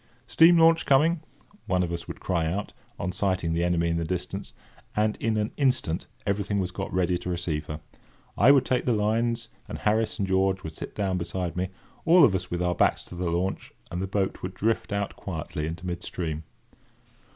"Steam launch, coming!" one of us would cry out, on sighting the enemy in the distance; and, in an instant, everything was got ready to receive her. I would take the lines, and Harris and George would sit down beside me, all of us with our backs to the launch, and the boat would drift out quietly into mid stream.